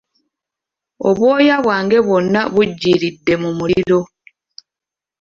Obwoya bwange bwonna bujjiridde mu muliro.